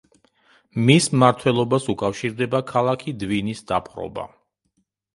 მის მმართველობას უკავშირდება ქალაქი დვინის დაპყრობა.